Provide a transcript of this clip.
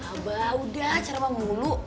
abah udah caramah mulu